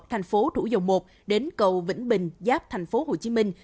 thành phố thủ dầu một đến cầu vĩnh bình giáp thành phố hồ chí minh